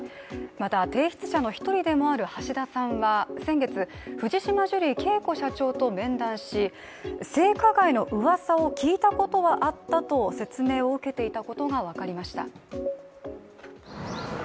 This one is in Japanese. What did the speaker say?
また、提出者の一人でもある橋田さんは先月、藤島ジュリー景子社長と面談し、性加害のうわさは聞いたことがあったと説明を受けていたことが分かりました。